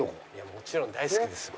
もちろん大好きですよ